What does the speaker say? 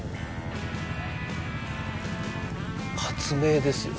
発明ですよね